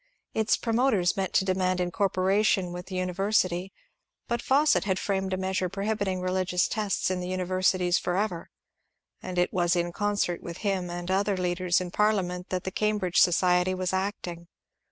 Its promoters meant to demand incorporation with the univer sity, but Fawcett had framed a measure prohibiting religious tests in the universities forever, and it was in concert with him and other leaders in Parliament that the Cambridge society was acting.